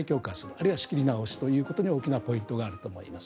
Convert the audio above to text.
あるいは仕切り直しということに大きなポイントがあると思います。